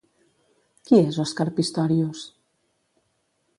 Qui és Oscar Pistorius?